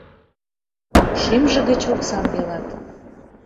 Шӱмжӧ гыч оксам велат.